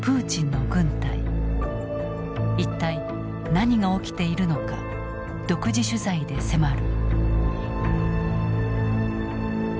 一体何が起きているのか独自取材で迫る。